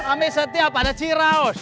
kami setia pada ciraus